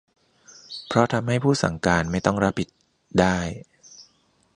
เพราะทำให้ผู้สั่งการไม่ต้องรับผิด ได้